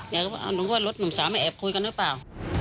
สิว่านึงว่ารถหนุ่มสาวไมาแอบคุยกันหรือเปล่า